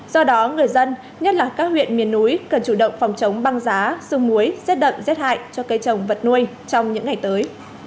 do đó người dân nhất là các huyện miền núi cần chủ động phòng chống băng giá xương muối rét đậm rét hại cho cây trồng vật nuôi trong những ngày tới